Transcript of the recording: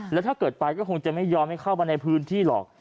แล้วถ้าเกิดไปก็คงจะไม่ยอมให้เข้ามาในพื้นที่หรอก